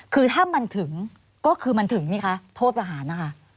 คือถ้ามันถึงก็คือมันถึงนี่คะโทษประหารนะคะ